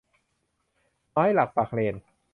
ไม้หลักปักเลน